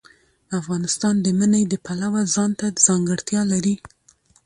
افغانستان د منی د پلوه ځانته ځانګړتیا لري.